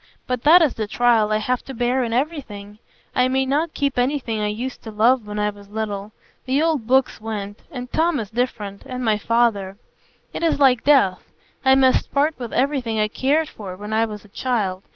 But that is the trial I have to bear in everything; I may not keep anything I used to love when I was little. The old books went; and Tom is different, and my father. It is like death. I must part with everything I cared for when I was a child.